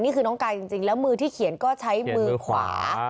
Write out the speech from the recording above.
นี่คือน้องกายจริงแล้วมือที่เขียนก็ใช้มือขวา